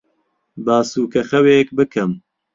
با سووکەخەوێک بکەم.